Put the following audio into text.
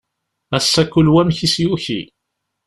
Ass-a kul wa amek i s-yuki.